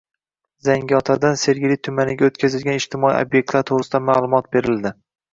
Zangiotadan Sergeli tumaniga o‘tkazilgan ijtimoiy obyektlar to‘g‘risida ma’lumot berildi